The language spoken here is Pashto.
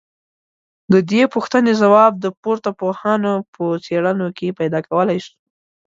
ددې پوښتني ځواب د پورته پوهانو په څېړنو کي پيدا کولای سو